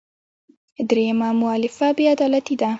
درېیمه مولفه بې عدالتي ده.